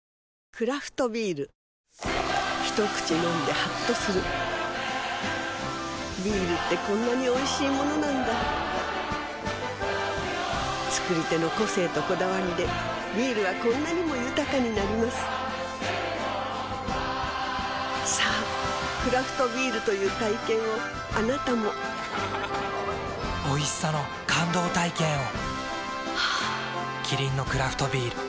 クラフトビール一口飲んでハッとするビールってこんなにおいしいものなんだ造り手の個性とこだわりでビールはこんなにも豊かになりますさぁクラフトビールという体験をあなたもおいしさの感動体験を。